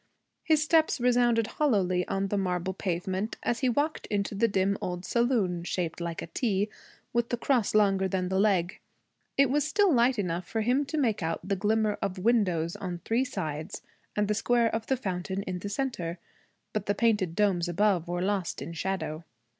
His steps resounded hollowly on the marble pavement as he walked into the dim old saloon, shaped like a T, with the cross longer than the leg. It was still light enough for him to make out the glimmer of windows on three sides and the square of the fountain in the centre, but the painted domes above were lost in shadow.